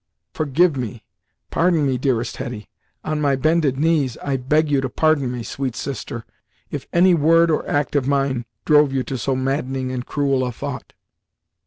"Forgive me pardon me, dearest Hetty on my bended knees, I beg you to pardon me, sweet sister, if any word, or act of mine drove you to so maddening and cruel a thought!"